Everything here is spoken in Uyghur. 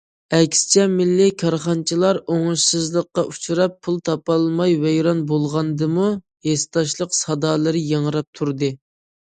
ئەكسىچە مىللىي كارخانىچىلار ئوڭۇشسىزلىققا ئۇچراپ، پۇل تاپالماي ۋەيران بولغاندىمۇ، ھېسداشلىق سادالىرى ياڭراپ تۇردى.